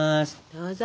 どうぞ！